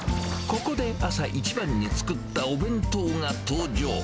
ここで朝一番に作ったお弁当が登場。